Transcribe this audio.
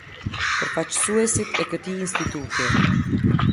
Përfaqësuesit e këtij instituti.